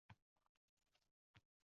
Men unga uzoq tikildim